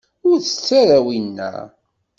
Ur tett ara winna.